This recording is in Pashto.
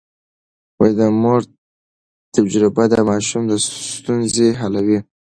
د مور تجربه د ماشوم ستونزې حلوي.